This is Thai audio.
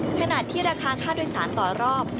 ขณะที่ราคาค่าโดยสารต่อรอบ